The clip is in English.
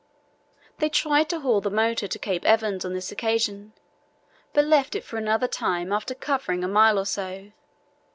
They tried to haul the motor to Cape Evans on this occasion, but left it for another time after covering a mile or so.